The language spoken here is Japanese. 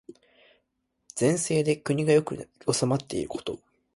善政で国が良く治まっていること。